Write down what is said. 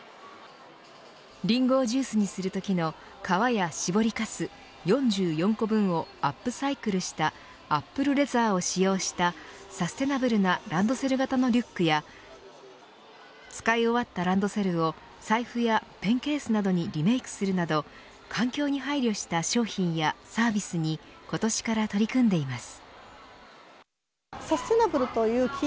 リンゴをジュースにするときの皮や搾りかす４４個分をアップサイクルしたアップルレザーを使用したサステナブルなランドセル形のリュックや使い終わったランドセルを財布やペンケースなどにリメイクするなど環境に配慮した商品やサービスに今年から取り組んでいます。